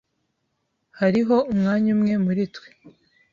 Hariho umwanya umwe muri twe.